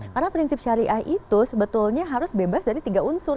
karena prinsip syariah itu sebetulnya harus bebas dari tiga unsur